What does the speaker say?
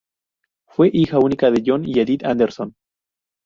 Fue hija única de John y Edith Anderson.